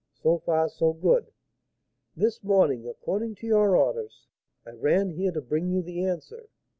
So far so good. This morning, according to your orders, I ran here to bring you the answer.